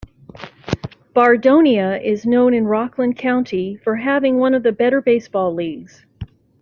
Bardonia is known in Rockland County for having one of the better baseball leagues.